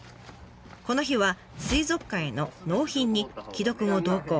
この日は水族館への納品に城戸くんを同行。